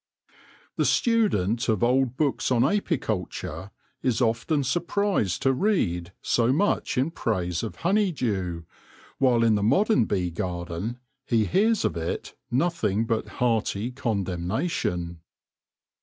The student of old books on apiculture is often surprised to read so much in praise of honeydew, while in the modern bee garden he hears of it nothing but hearty condemnation.